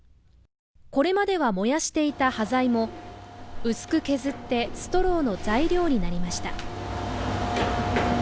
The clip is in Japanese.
これまでは燃やしていた端材も薄く削ってストローの材料になりました。